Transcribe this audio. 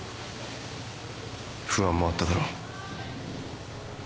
不安もあっただろう。